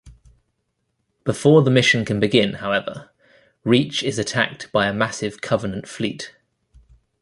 Before the mission can begin, however, Reach is attacked by a massive Covenant fleet.